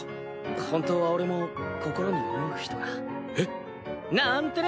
本当は俺も心に思う人が。えっ？なんてね。